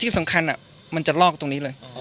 ที่สำคัญมันจะลอกตรงนี้เลย